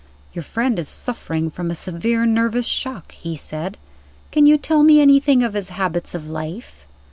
"Your friend is suffering from a severe nervous shock," he said. "Can you tell me anything of his habits of life?"